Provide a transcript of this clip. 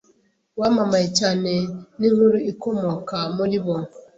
wamamaye cyane ninkuru ikomoka muribo